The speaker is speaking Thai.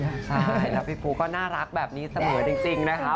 ใช่แล้วพี่ปูก็น่ารักแบบนี้เสมอจริงนะคะ